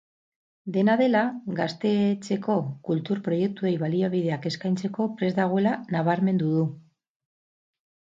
Dena dela, gaztetxeko kultur proiektuei baliabideak eskaintzeko prest dagoela nabarmendu du.